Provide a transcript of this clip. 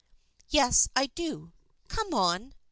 " Yes, I do. Come on."